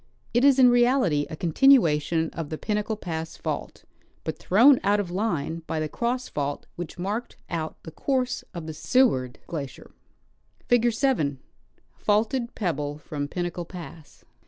It is in reality a continuation of the Pinnacle pass fault, but thrown out of line by the cross fault which marked out the course of the Seward glacier. Figure 7 — Faulted Pebble from Pinnacle Pass.